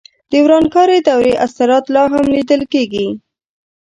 د ورانکارې دورې اثرات لا هم لیدل کېدل.